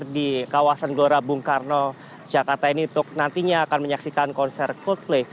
hadir di kawasan gorabungkarno jakarta ini untuk nantinya akan menyaksikan konser coldplay